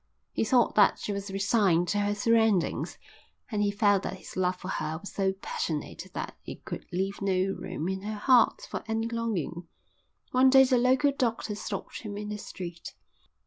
He thought that she was resigned to her surroundings, and he felt that his love for her was so passionate that it could leave no room in her heart for any longing. One day the local doctor stopped him in the street.